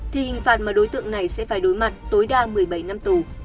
thì hình phạt mà đối tượng này sẽ phải đối mặt tối đa một mươi bảy năm tù